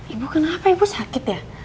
ibu kenapa ibu sakit ya